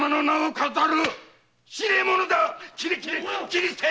斬り捨てい‼